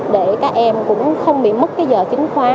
để các em cũng không bị mất cái giờ chính khóa